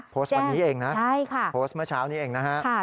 โพสต์วันนี้เองนะโพสต์เมื่อเช้านี้เองนะฮะ